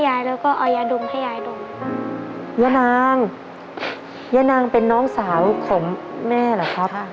ยานางยานางเป็นน้องสาวของแม่เหรอครับ